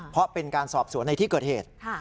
เพราะเป็นการสอบสวนในที่เกิดเหตุ